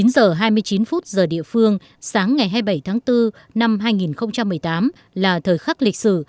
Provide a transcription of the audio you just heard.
chín giờ hai mươi chín phút giờ địa phương sáng ngày hai mươi bảy tháng bốn năm hai nghìn một mươi tám là thời khắc lịch sử